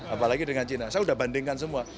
apalagi dengan china saya sudah bandingkan semua